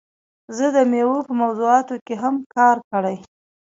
زه د میوو په موضوعاتو کې هم کار کړی.